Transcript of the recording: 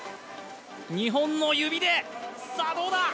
２本の指で、さあ、どうだ。